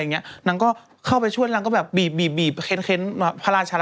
นางก็เข้าไปช่วยอาการนางก็บีบเค้นมาภาราชา